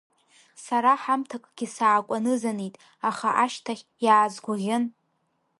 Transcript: Сара ҳамҭакгьы саакәанызанит, аха ашьҭахь, иаазгәыӷьын…